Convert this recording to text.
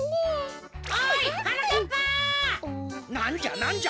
なんじゃなんじゃ？